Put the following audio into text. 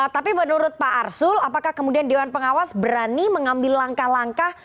tapi menurut pak arsul apakah kemudian dewan pengawas berani mengambil langkah langkah